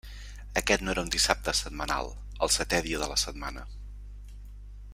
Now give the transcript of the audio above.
Aquest no era un dissabte setmanal, el setè dia de la setmana.